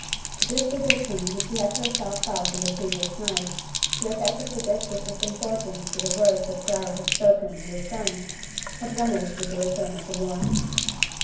The disposition which she had herself felt on the previous night, to attach a superstitious importance to the words that Clara had spoken in the trance, had vanished with the return of the morning.